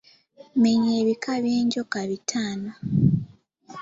Menya ebika by'enjoka bitaano.